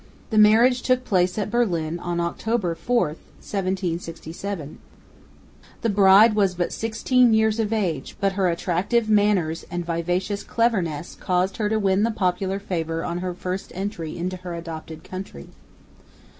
The marriage took place at Berlin on October, 4 1767. The bride was but sixteen years of age, but her attractive manners and vivacious cleverness caused her to win the popular favour on her first entry into her adopted country.